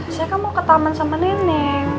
saya kan mau ke taman sama nining